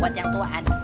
buat yang tuaan